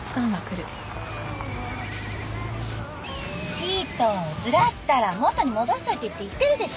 シートずらしたら元に戻しといてって言ってるでしょ。